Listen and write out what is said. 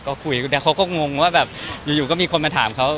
ก็คุยแต่เขาก็งงว่าแบบอยู่ก็มีคนมาถามเขา